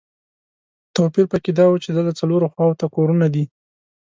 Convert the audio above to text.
توپیر په کې دا و چې دلته څلورو خواوو ته کورونه دي.